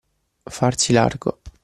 Farsi largo.